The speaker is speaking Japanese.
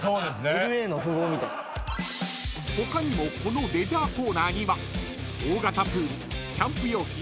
［他にもこのレジャーコーナーには大型プールキャンプ用品